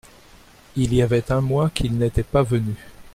Il y avait un mois qu’il n’était pas venu.